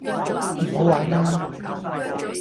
唔好玩啦